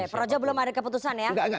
projo belum ada keputusan ya